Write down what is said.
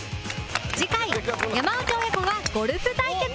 次回山内親子がゴルフ対決！